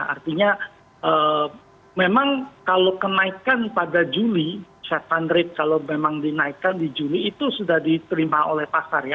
artinya memang kalau kenaikan pada juli set fund rate kalau memang dinaikkan di juni itu sudah diterima oleh pasar ya